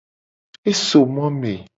E so mo me.